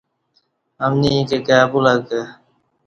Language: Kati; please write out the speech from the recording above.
امنی ایں کہ کائی بولہ کہ